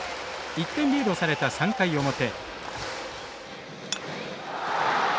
１点リードされた３回表。